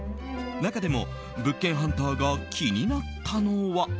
中でも物件ハンターが気になったのは。